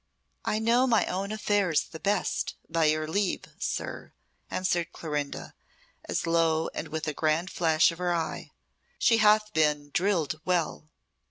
"I know my own affairs the best, by your leave, sir," answered Clorinda, as low and with a grand flash of her eye. "She hath been drilled well."